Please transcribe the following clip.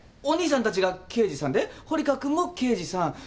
お兄さんたちが刑事さんで堀川君も刑事さん？